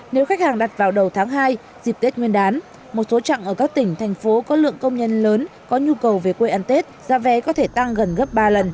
nếu khách hàng đặt vào đầu tháng hai dịp tết nguyên đán một số trạng ở các tỉnh thành phố có lượng công nhân lớn có nhu cầu về quê ăn tết giá vé có thể tăng gần gấp ba lần